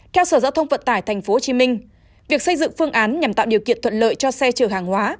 theo sở giao thông vận tải tp hcm việc xây dựng phương án nhằm tạo điều kiện thuận lợi cho xe chở hàng hóa